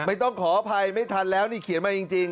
ต้องขออภัยไม่ทันแล้วนี่เขียนมาจริง